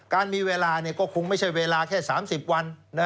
การมีเวลาก็คงไม่ใช่เวลาแค่๓๐วัน